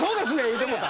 言うてもうた。